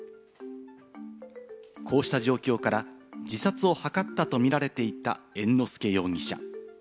こうした状況から自殺を図ったとみられていた猿之助容疑者。